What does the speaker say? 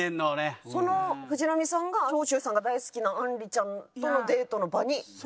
その藤波さんが長州さんが大好きなあんりちゃんとのデートの場に乱入する？